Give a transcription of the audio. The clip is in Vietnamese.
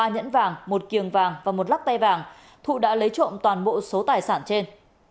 ba nhẫn vàng một kiềng vàng và một lắc tay vàng thụ đã lấy trộm toàn bộ số tài sản trên